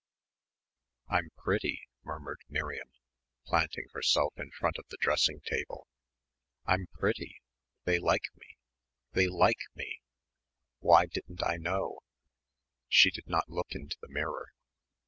"I'm pretty," murmured Miriam, planting herself in front of the dressing table. "I'm pretty they like me they like me. Why didn't I know?" She did not look into the mirror.